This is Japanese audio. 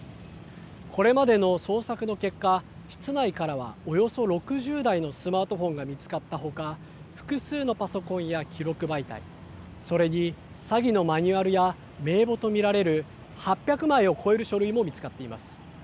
これまでの捜索の結果、室内からはおよそ６０台のスマートフォンが見つかったほか、複数のパソコンや記録媒体、それに詐欺のマニュアルや名簿と見られる８００枚を超える書類も見つかっています。